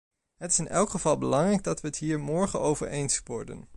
Het is in elk geval belangrijk dat wij het hier morgen over eens worden.